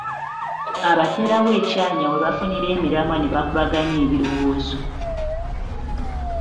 Abateerawo ekyanya we bafunira emiramwa ne bakubaganya ebirowoozo